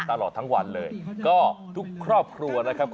ตลอดทั้งวันเลยก็ทุกครอบครัวนะครับ